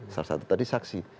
salah satu tadi saksi